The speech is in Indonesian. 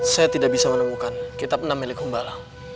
saya tidak bisa menemukan kitab enam milik humbalang